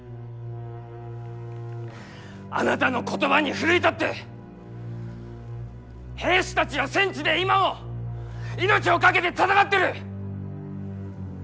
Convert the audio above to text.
あなたの言葉に奮い立って兵士たちは戦地で今も命を懸けて戦ってる！